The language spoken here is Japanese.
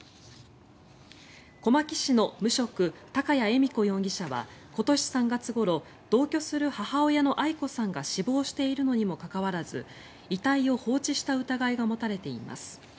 小牧市の無職高谷恵三子容疑者は今年３月ごろ同居する母親の愛子さんが死亡しているのにもかかわらず遺体を放置した疑いが持たれています。